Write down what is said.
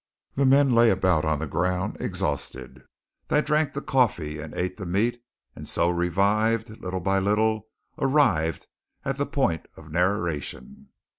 The men lay about on the ground exhausted. They drank the coffee and ate the meat, and so revived, little by little, arrived at the point of narration.